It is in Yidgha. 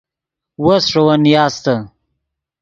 وس ݰے ون نیاستے